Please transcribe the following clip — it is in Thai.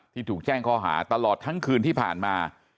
ถูกแจ้งข้อหาตลอดทั้งคืนที่ผ่านมา